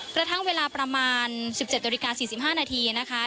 กระทั่งเวลาประมาณ๑๗นาฬิกา๔๕นาทีนะคะ